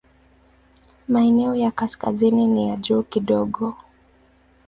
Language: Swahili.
Maeneo ya kaskazini ni ya juu kidogo.